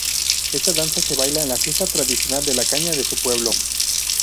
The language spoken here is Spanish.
Esta danza se baila en la fiesta tradicional de la caña de su pueblo.